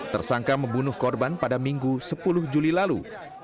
tersangka membunuh korban pada minggu sepuluh juli lalu